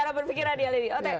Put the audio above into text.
cara berpikirnya dia